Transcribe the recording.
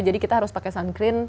jadi kita harus pakai sun cream